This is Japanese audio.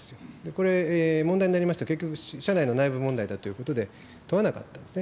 これ、問題になりまして、結局、社内の内部問題だということで問わなかったんですね。